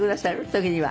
時には。